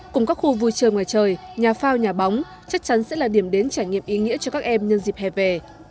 cùng các khu vui chơi ngoài trời nhà phao nhà bóng chắc chắn sẽ là điểm đến trải nghiệm ý nghĩa cho các em nhân dịp hè về